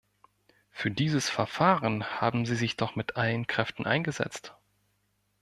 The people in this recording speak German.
Für dieses Verfahren haben Sie sich doch mit allen Kräften eingesetzt.